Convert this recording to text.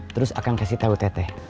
terus akang kasih tau teteh